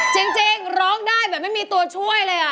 จริงร้องได้แบบไม่มีตัวช่วยเลย